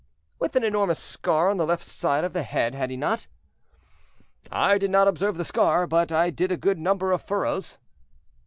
"With an enormous scar on the left side of the head, had he not?" "I did not observe the scar, but I did a good number of furrows."